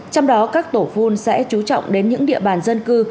trong đó các tổ phun sẽ chú trọng đến những địa bàn dân cư